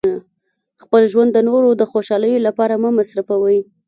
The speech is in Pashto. خپل ژوند د نورو د خوشحالولو لپاره مه مصرفوئ.